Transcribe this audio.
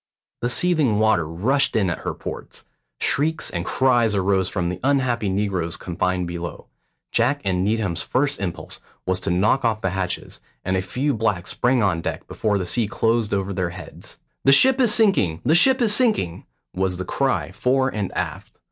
The seething water rushed in at her ports. Shrieks and cries arose from the unhappy negroes confined below. Jack and Needham's first impulse was to knock off the hatches, and a few blacks sprang on deck before the sea closed over their heads. "The ship is sinking, the ship is sinking," was the cry fore and aft.